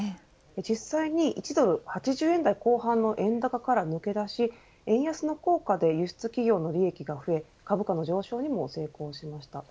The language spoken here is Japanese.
実際に１ドル８０円台後半の円高から抜け出し円安の効果で輸出企業の利益が増え株価の上昇にも成功しました。